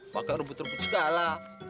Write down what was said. pakai rebut rebut segala